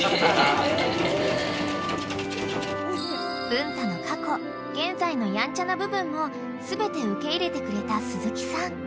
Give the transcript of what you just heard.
［文太の過去現在のヤンチャな部分も全て受け入れてくれた鈴木さん］